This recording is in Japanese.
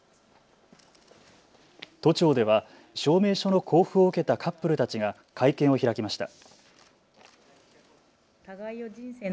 都庁では証明書の交付を受けたカップルたちが会見を開きました。